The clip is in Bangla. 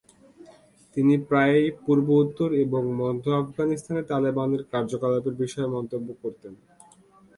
তিনি প্রায়ই পূর্ব, উত্তর এবং মধ্য আফগানিস্তানে তালেবানের কার্যকলাপের বিষয়ে মন্তব্য করতেন।